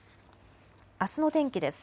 あすの天気です。